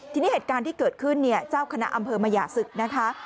ทีนี้เหตุการณ์ที่เกิดขึ้นเนี่ยเจ้าคณะอำเภอมหยาศึกนะคะ